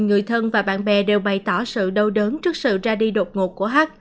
người thân và bạn bè đều bày tỏ sự đau đớn trước sự ra đi đột ngột của hát